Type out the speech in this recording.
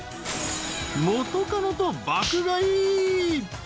［元カノと爆買い］